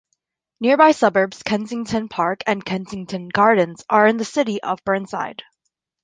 Nearby suburbs Kensington Park and Kensington Gardens are in the City of Burnside.